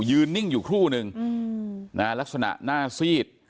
ยืนนิ่งอยู่คู่หนึ่งอืมน่ารักษณะหน้าซีดค่ะ